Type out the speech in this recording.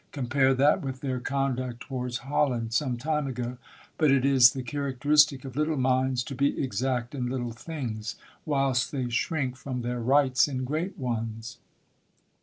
Compare that with their conduct towards Holland, some time ago ; but it is the charac teristic of little minds to be exact in little things, whilst they shrink from their rights in great ones.